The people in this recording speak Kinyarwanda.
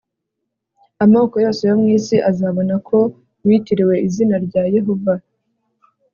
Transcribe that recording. amoko yose yo mu isi azabona ko witiriwe izina rya yehova